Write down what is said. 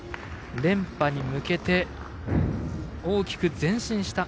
連覇に向けて大きく前進した